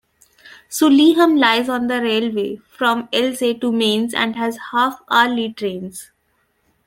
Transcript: Saulheim lies on the railway from Alzey to Mainz and has half-hourly trains.